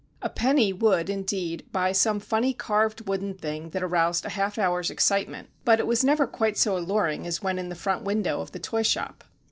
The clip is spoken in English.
A penny would, indeed, buy some funny carved wooden thing that aroused a half hour's excitement, but it was never quite so alluring as when in the front window of the toy shop.